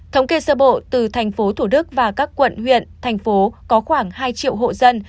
thống kê sơ bộ từ thành phố thủ đức và các quận huyện thành phố có khoảng hai triệu hộ dân